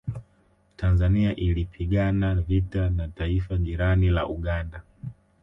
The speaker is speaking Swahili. Tanzania ilipigana vita na taifa jirani la Uganda